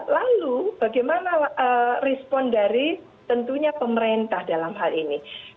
lalu bagaimana respon dari tentunya pemerintah dalam hal ini